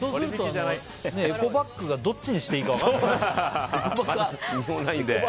エコバッグがどっちにしていいか分からない。